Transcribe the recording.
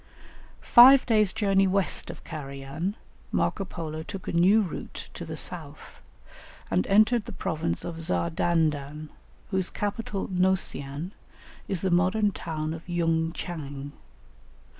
Five days' journey west of Carajan, Marco Polo took a new route to the south, and entered the province of Zardandan, whose capital Nocian, is the modern town of Yung chang.